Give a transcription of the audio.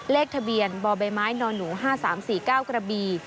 เลขทะเบียนบใบไม้นหนู๕๓๔๙กระบี